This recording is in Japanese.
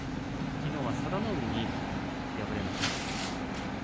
きのうは佐田の海に敗れました。